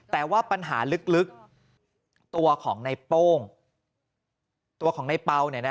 แต่ว่าปัญหาลึกตัวของในโป้งตัวของในเปล่า